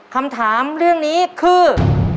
คำถามเรื่องนี้คือ